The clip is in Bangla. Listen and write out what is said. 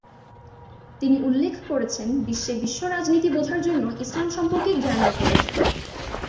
তিনি উল্লেখ করেছেন বিশ্বে বিশ্ব রাজনীতি বোঝার জন্য ইসলাম সম্পর্কে জ্ঞানের প্রয়োজন।